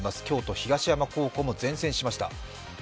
京都東山高校も善戦しました。